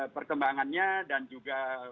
perkembangannya dan juga